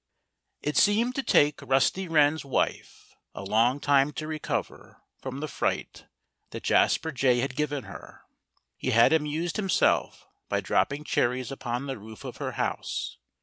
It seemed to take Rusty Wren's wife a long time to recover from the fright that Jasper Jay had given her. He had amused himself by dropping cherries upon the roof of her house.